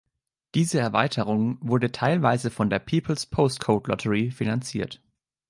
Diese Erweiterung wurde teilweise von der People's Postcode Lottery finanziert.